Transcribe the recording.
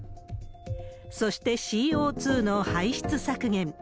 そして、ＣＯ２の排出削減。